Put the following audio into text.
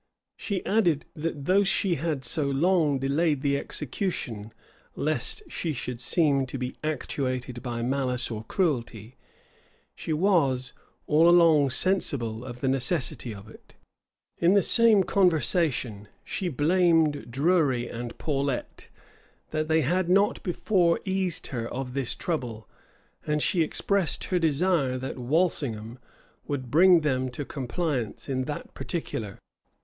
She added, that though she had so long delayed the execution, lest she should seem to be actuated by malice or cruelty, she was all along sensible of the necessity of it. In the same conversation, she blamed Drury and Paulet that they had not before eased her of this trouble; and she expressed her desire that Walsingham would bring them to compliance in that particular.